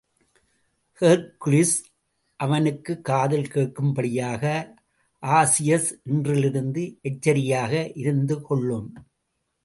Hercules அவனுக்குக் காதில் கேட்கும்படியாக Augeas, இன்றிலிருந்து எச்சரிக்கையாக இருந்துகொள்ளும்!